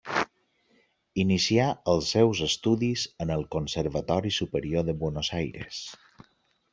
Inicià els seus estudis en el Conservatori Superior de Buenos Aires.